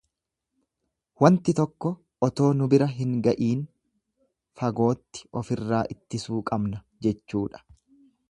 Wanti tokko otoo nu bira hin ga'iin fagootti ofirraa ittisuu qabna jechuudha.